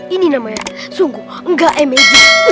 ini namanya sungguh enggak emaji